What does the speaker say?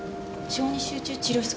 小児集中治療室？